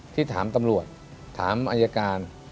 ที่ถามตำรวจถามอายการ